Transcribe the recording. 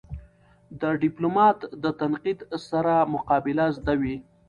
د ډيپلومات د تنقید سره مقابله زده وي.